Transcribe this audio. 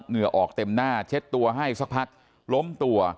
เหงื่อออกเต็มหน้าเช็ดตัวให้สักพักล้มตัว